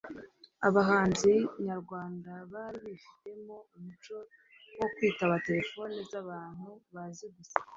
Abahanzi nyarwanda bari bifitemo umuco wo kwitaba telefone z’abantu bazi gusa